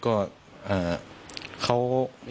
ก็เขา